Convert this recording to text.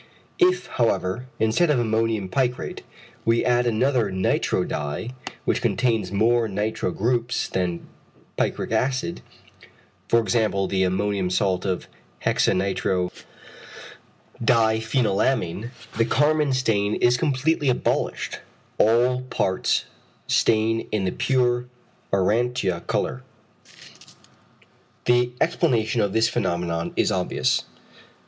If, however, instead of ammonium picrate we add another nitro dye which contains more nitro groups than picric acid, for example the ammonium salt of hexa nitro diphenylamine, the carmine stain is completely abolished, all parts stain in the pure aurantia colour. The explanation of this phenomenon is obvious.